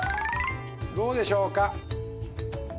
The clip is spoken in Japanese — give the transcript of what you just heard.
どうでしょうか。